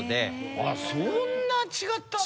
あっそんな違ったんだ。